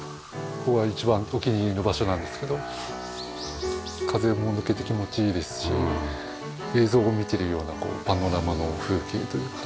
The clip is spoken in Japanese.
ここが一番お気に入りの場所なんですけど風も抜けて気持ちいいですし映像を見てるようなパノラマの風景というか。